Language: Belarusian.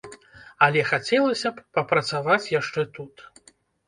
Але хацелася б папрацаваць яшчэ тут.